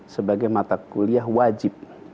sebagai mata kuliah wajib